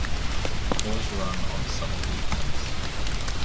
Tours run on summer weekends.